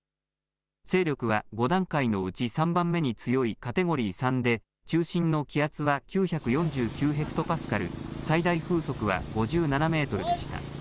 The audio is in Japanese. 勢力は５段階のうち３番目に強いカテゴリー３で中心の気圧は９４９ヘクトパスカル、最大風速は５７メートルでした。